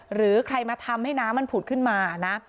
หรือใครมาทำให้น้ำมันผุดขึ้นมานะ